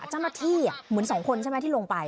เจ้าหน้าที่เหมือน๒คนใช่ไหมที่ลงไป